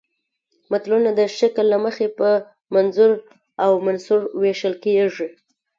متلونه د شکل له مخې په منظوم او منثور ویشل کېږي